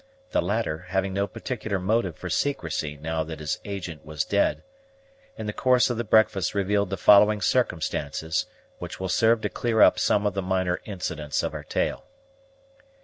The latter, having no particular motive for secrecy now that his agent was dead, in the course of the breakfast revealed the following circumstances, which will serve to clear up some of the minor incidents of our tale.